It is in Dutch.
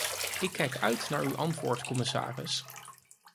Ik kijk uit naar uw antwoord, commissaris.